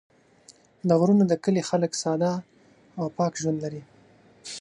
د غرونو د کلي خلک ساده او پاک ژوند لري.